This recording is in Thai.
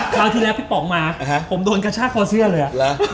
คราวที่แรกพี่ป๋องมาผมโดนกระชากขอเสื้อเลย